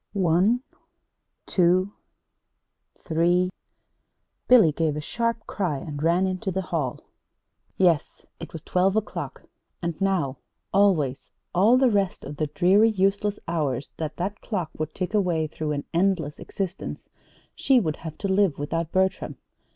One two three Billy gave a sharp cry and ran into the hall. Yes, it was twelve o'clock. And now, always, all the rest of the dreary, useless hours that that clock would tick away through an endless existence, she would have to live without Bertram.